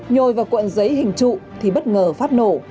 nhồi vào cuộn giấy hình trụ thì bất ngờ phát nổ